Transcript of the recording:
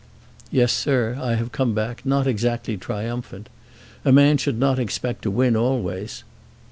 "Yes, sir; I have come back, not exactly triumphant. A man should not expect to win always."